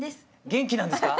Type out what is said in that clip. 元気なんですか？